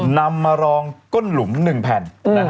นำมารองก้นหลุมหนึ่งแผ่น